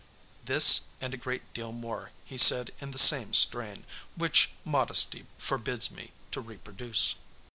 This and a great deal more he said in the same strain, which modesty forbids me to reproduce.